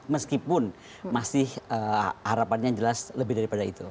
meskipun masih harapannya jelas lebih daripada itu